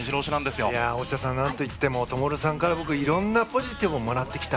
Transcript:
なんといっても灯さんからいろんなポジティブをもらってきた。